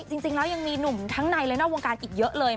จริงแล้วยังมีหนุ่มทั้งในและนอกวงการอีกเยอะเลย